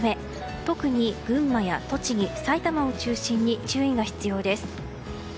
特に群馬や栃木、埼玉を中心に注意が必要です。